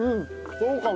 そうかも。